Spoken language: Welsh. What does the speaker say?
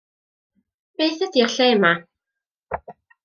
Beth ydi'r lle 'ma?